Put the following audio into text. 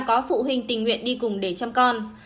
có phụ huynh tình nguyện đi cùng để chăm con